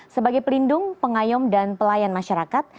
sebagai pelindung pengayom dan pelayan masyarakat